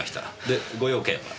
でご用件は？